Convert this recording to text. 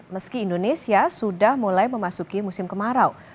meski indonesia sudah mulai memasuki musim kemarau